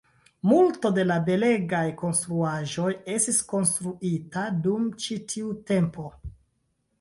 Multo de la belegaj konstruaĵoj estis konstruita dum ĉi tiu tempo.